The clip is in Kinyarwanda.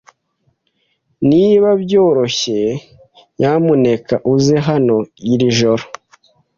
Niba byoroshye, nyamuneka uze hano iri joro.